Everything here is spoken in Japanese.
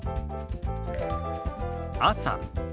「朝」。